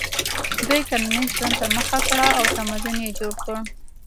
دوی کرنیز ژوند ته مخه کړه او تمدن یې جوړ کړ.